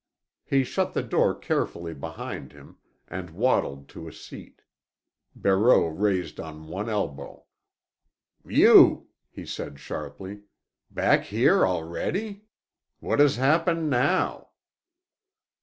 He shut the door carefully behind him, and waddled to a seat. Barreau raised on one elbow. "You!" he said sharply. "Back here already? What has happened now?"